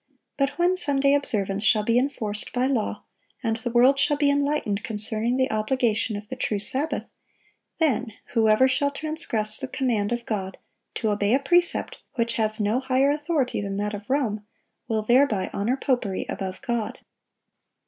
But when Sunday observance shall be enforced by law, and the world shall be enlightened concerning the obligation of the true Sabbath, then whoever shall transgress the command of God, to obey a precept which has no higher authority than that of Rome, will thereby honor popery above God.